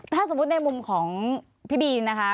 ถ้าสมมุติในมุมของพี่บีนะคะ